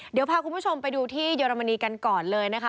เดี๋ยวพาคุณผู้ชมไปดูที่เยอรมนีกันก่อนเลยนะคะ